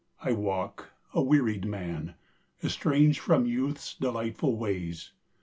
I walk, a wearied man, estranged From youth's delightful ways.